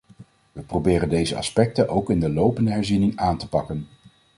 We proberen deze aspecten ook in de lopende herziening aan te pakken.